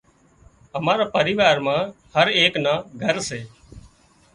امارا پريوار مان هرايڪ نا گھر سي